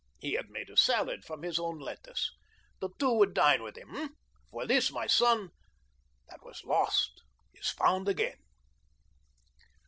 He had made a salad from his own lettuce. The two would dine with him, eh? For this, my son, that was lost is found again.